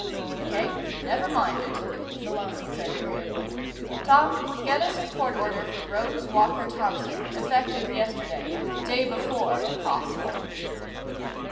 "Okay, never mind it," Malone said agreeably. "Tom, get us a court order for Rose Walker Thompson. Effective yesterday day before, if possible."